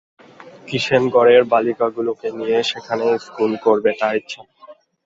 কিষেনগড়ের বালিকাগুলিকে নিয়ে সেইখানেই স্কুল করবে তার ইচ্ছা।